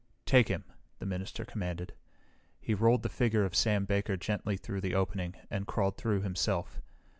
"Take him!" the minister commanded. He rolled the figure of Sam Baker gently through the opening and crawled through himself.